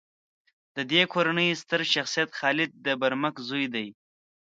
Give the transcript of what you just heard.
د دې کورنۍ ستر شخصیت خالد د برمک زوی دی.